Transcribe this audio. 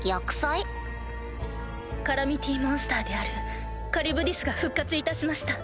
カラミティモンスターであるカリュブディスが復活いたしました。